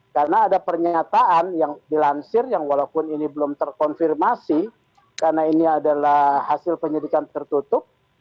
karena ada pernyataan yang dilansir yang walaupun ini belum terkonfirmasi karena ini adalah hasil penyelidikan tertutup